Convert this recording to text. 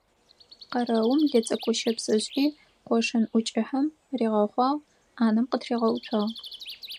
Къэрэум лыцӀыкӀущыпс ышӀи, къошын ӀукӀыхьэм ригъэхъуагъ, Ӏанэм къытригъэуцуагъ.